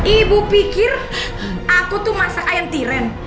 ibu pikir aku tuh masak ayam tiren